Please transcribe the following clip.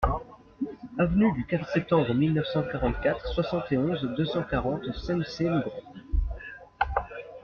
Avenue du quatre Septembre mille neuf cent quarante-quatre, soixante et onze, deux cent quarante Sennecey-le-Grand